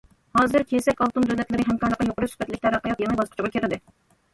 ھازىر، كېسەك ئالتۇن دۆلەتلىرى ھەمكارلىقى يۇقىرى سۈپەتلىك تەرەققىيات يېڭى باسقۇچىغا كىردى.